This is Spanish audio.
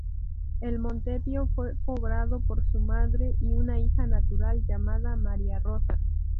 El montepío fue cobrado por su madre y una hija natural, llamada María Rosa.